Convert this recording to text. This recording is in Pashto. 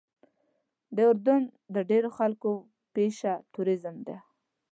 د اردن د ډېرو خلکو پیشه ټوریزم ده.